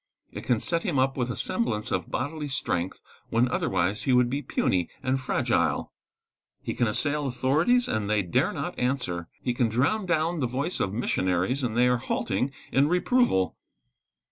It can set him up with a semblance of bodily strength, when otherwise he would be puny and fragile. He can assail authorities, and they dare not answer. He can drown down the voice of missionaries, and they are halting in reproval.